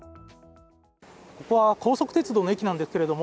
ここは高速鉄道の駅なんですけれども